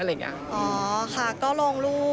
แล้วเค้าก็ลงรูป